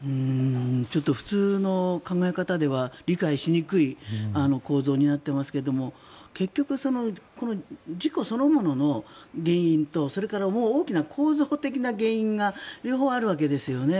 ちょっと普通の考え方では理解しにくい構造になっていますけども結局、事故そのものの原因とそれから大きな構造的な原因が両方あるわけですよね。